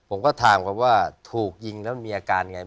ผมก็ถามเขาว่าถูกยิงแล้วมีอาการไง